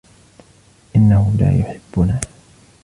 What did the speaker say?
إنه لا يحبنا.